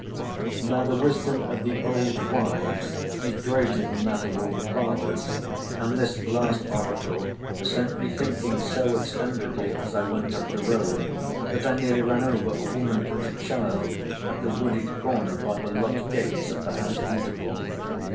Now the wisdom of the old wives is greater than that of all the Fathers, and this last oracle sent me thinking so extendedly as I went up the road, that I nearly ran over a woman and a child at the wooded corner by the lodge gates of the House Beautiful.